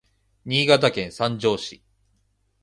Niigataken sanjo si